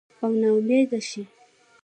او نا امیده شي